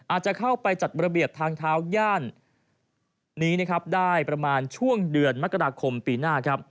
อาจจะเข้าไปจัดระเบียบทางเท้าย่านนี้ได้ประมาณช่วงเดือนมกราคมปีหน้า